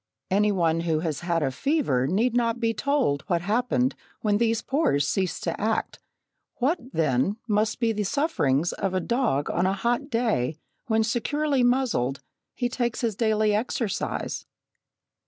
Any one who has had a fever need not be told what happened when these pores ceased to act; what, then, must be the sufferings of a dog on a hot day, when, securely muzzled, he takes his daily exercise?